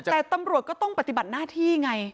แต่ตำรวจก็ต้องปฏิบัติหน้าที่ไง